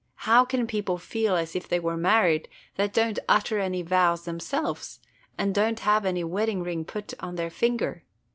How can people feel as if they were married that don't utter any vows themselves, and don't have any wedding ring put on their finger?